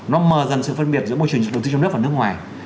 nó mờ gần sự phân biệt giữa môi trường đầu tư trong nước và nước ngoài